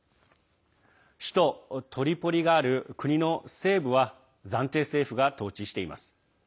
首都トリポリがある国の西部は暫定政府が統治しています。